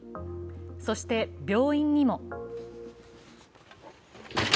そして病院にも。